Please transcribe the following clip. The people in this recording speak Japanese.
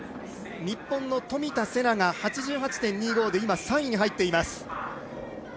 日本の冨田せなが８８．２５で３位に入っています。